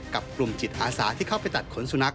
กับกลุ่มจิตอาสาที่เข้าไปตัดขนสุนัข